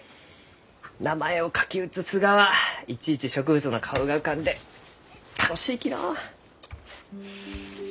名前を書き写すがはいちいち植物の顔が浮かんで楽しいきのう。